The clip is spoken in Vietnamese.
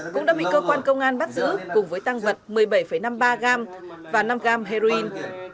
cũng đã bị cơ quan công an bắt giữ cùng với tăng vật một mươi bảy năm mươi ba gram và năm gram heroin